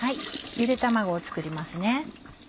ゆで卵を作ります。